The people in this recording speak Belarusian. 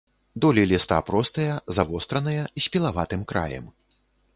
Долі ліста простыя, завостраныя, з пілаватым краем.